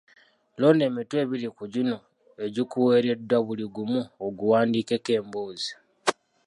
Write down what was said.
Londa emitwe ebiri ku gino egikuweereddwa buli gumu oguwandiikeko emboozi